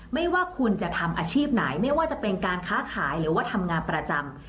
ไม่ว่าคุณจะทำอาชีพไหนไม่ว่าจะเป็นการค้าขายหรือว่าทำงานประจำ